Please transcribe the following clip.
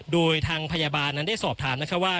โดยทางพยาบาลนั้นได้สอบถามนะคะว่า